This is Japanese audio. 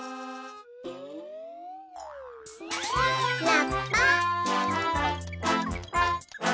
ラッパ。